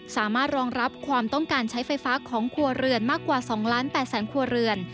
สามารถรองรับความต้องการใช้ไฟฟ้าของครัวเรือนมากกว่า๒ล้าน๘แสนครัวเรือน